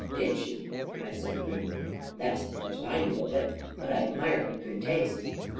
" "Did she?" I said grimly. " That's the first I knew of it — but I admire her good taste!